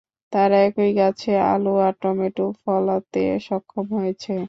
তাঁরা একই গাছে আলু আর টমেটো ফলাতে সক্ষম হয়েছেন।